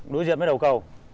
đối diện với đầu cầu